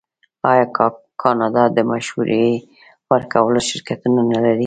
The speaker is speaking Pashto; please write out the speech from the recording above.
آیا کاناډا د مشورې ورکولو شرکتونه نلري؟